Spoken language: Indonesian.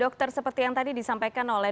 dokter seperti yang tadi disampaikan oleh